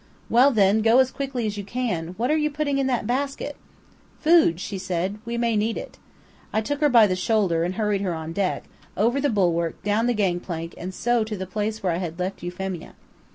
"Well, then, go as quickly as you can. What are you putting in that basket?" "Food," she said. "We may need it." I took her by the shoulder and hurried her on deck, over the bulwark, down the gang plank, and so on to the place where I had left Euphemia.